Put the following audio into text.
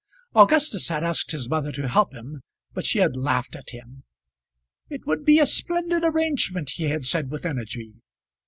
Augustus had asked his mother to help him, but she had laughed at him. "It would be a splendid arrangement," he had said with energy.